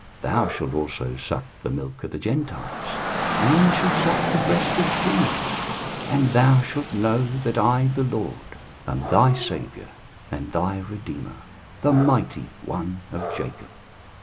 23:060:016 Thou shalt also suck the milk of the Gentiles, and shalt suck the breast of kings: and thou shalt know that I the LORD am thy Saviour and thy Redeemer, the mighty One of Jacob.